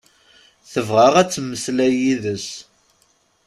Tebɣa ad temmeslay yid-s.